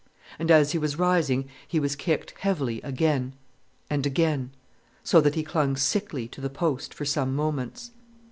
And as he was rising he was kicked heavily again, and again, so that he clung sickly to the post for some moments.